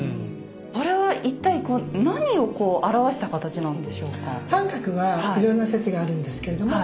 これは一体何を表した形なんでしょうか？